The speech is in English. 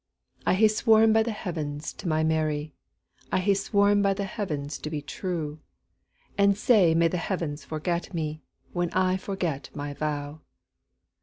I hae sworn by the Heavens to my Mary,I hae sworn by the Heavens to be true; And sae may the Heavens forget me, When I forget my vow!